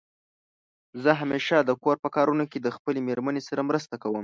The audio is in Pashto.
زه همېشه دکور په کارونو کې د خپلې مېرمنې سره مرسته کوم.